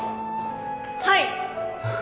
はい！